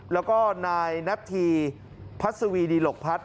แล้วก็นายนัทธีมภัสสวีรีลกภัฒน์